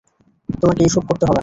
তোমাকে এইসব করতে হবে না।